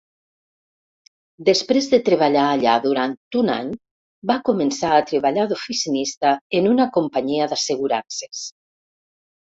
Després de treballar allà durant d'un any va començar a treballar d'oficinista en una companyia d'assegurances.